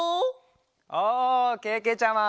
おおけけちゃま。